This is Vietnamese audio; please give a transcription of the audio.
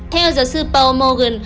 theo giáo sư paul morgan